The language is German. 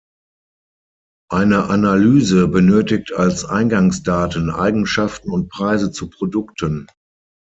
Eine Analyse benötigt als Eingangsdaten Eigenschaften und Preise zu Produkten.